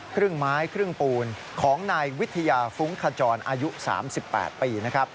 ครึ่งไม้ครึ่งปูนของนายวิทยาฟุ้งขจรอายุ๓๘ปี